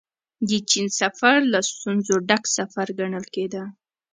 د چين سفر له ستونزو ډک سفر ګڼل کېده.